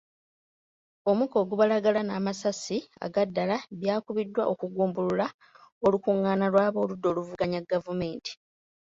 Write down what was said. Omukka ogubalagala n'amasasi aga ddala byakubiddwa okugumbulula olukungaana lw'aboludda oluvuganya gavumenti.